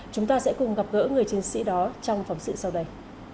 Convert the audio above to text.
chúng ta sẽ cùng gặp gỡ người chiến sĩ đó trong phóng sự sau đây